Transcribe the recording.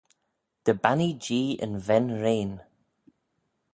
Dy bannee Jee yn ven-rein.